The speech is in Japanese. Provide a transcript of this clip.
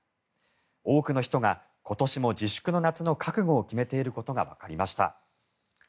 多くの人が今年も自粛の夏の覚悟を決めていることがわかりました。